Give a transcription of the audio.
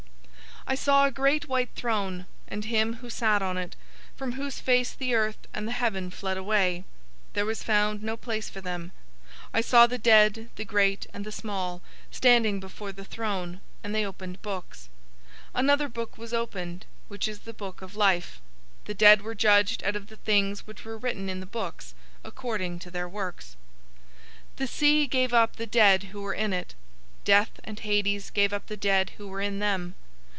020:011 I saw a great white throne, and him who sat on it, from whose face the earth and the heaven fled away. There was found no place for them. 020:012 I saw the dead, the great and the small, standing before the throne, and they opened books. Another book was opened, which is the book of life. The dead were judged out of the things which were written in the books, according to their works. 020:013 The sea gave up the dead who were in it. Death and Hades{or, Hell} gave up the dead who were in them.